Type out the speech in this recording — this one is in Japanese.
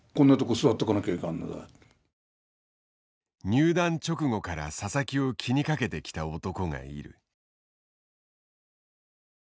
入団直後から佐々木を気にかけてきた男がいる。